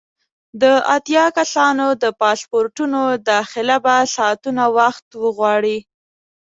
د اتیا کسانو د پاسپورټونو داخله به ساعتونه وخت وغواړي.